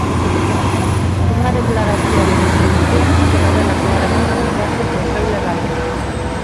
Unha declaración de intencións que revela claramente as bases do seu legado.